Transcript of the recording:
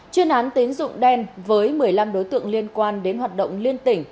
chuyên án tín dụng đen với một mươi năm đối tượng liên quan đến hoạt động liên tỉnh